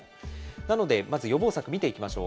なので、まず予防策見ていきましょう。